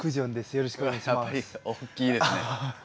よろしくお願いします。